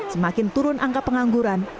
semakin turun angka pengangguran